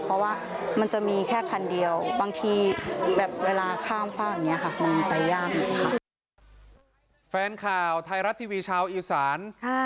เพราะว่ามันจะมีแค่คันเดียวบางทีเวลาข้ามพร่าวอย่างนี้มันไปยาก